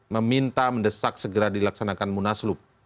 meminta mendesak segera dilaksanakan munaslup